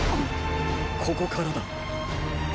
ここからだ。